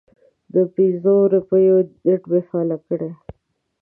د پنځو روپیو نیټ مې فعال کړی